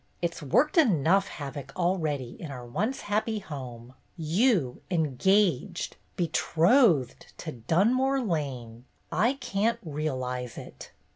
It 's worked enough havoc already in our once happy home. You engaged, betrothed, to Dunmore Lane! I can't realize it."